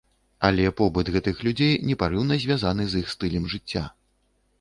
Але побыт гэтых людзей непарыўна звязаны з іх стылем жыцця.